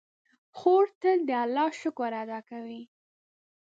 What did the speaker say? خور تل د الله شکر ادا کوي.